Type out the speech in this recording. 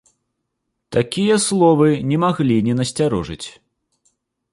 Такія словы не маглі не насцярожыць.